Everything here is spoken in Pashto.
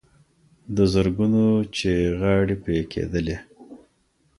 د زرګونو چي یې غاړي پرې کېدلې